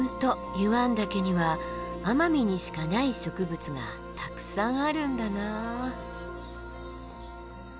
湯湾岳には奄美にしかない植物がたくさんあるんだなあ。